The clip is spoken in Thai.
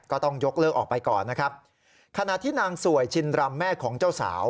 ก็ต้องยกเลิกออกไปก่อนนะครับขณะที่นางสวยชินรำแม่ของเจ้าสาว